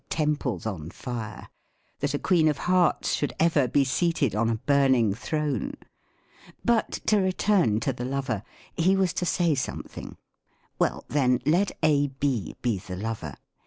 71 temples on fire, that a Queeen of Hearts should ever be seated on a burning throne !— but to return to the lover: he was to say something. Well, then, let A. B. be the lover.